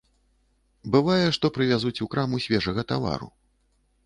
Бывае, што прывязуць у краму свежага тавару.